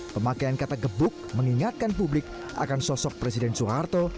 pemakaian kata gebuk mengingatkan publik akan sosok presiden soeharto